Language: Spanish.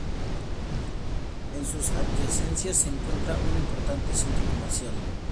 En sus adyacencias se encuentra un importante centro comercial.